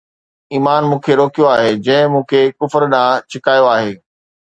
ايمان مون کي روڪيو آهي، جنهن مون کي ڪفر ڏانهن ڇڪايو آهي